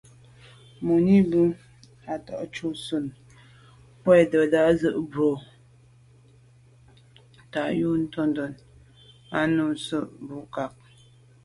Mùní bə́ á tá'’jú zǎ nunm wîndə́ nə̀ tswə́ mə̀bró tɔ̌ yù tǔndá kā á nun sə̂' bû ncà.